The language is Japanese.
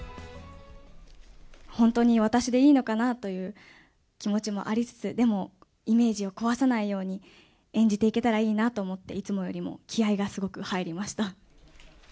本当に私でいいのかなという気持ちもありつつ、でも、イメージを壊さないように、演じていけたらいいなと思って、いつもよりも気合いがすごく入りました。